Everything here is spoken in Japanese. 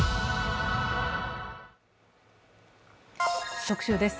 特集です。